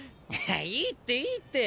いいっていいって！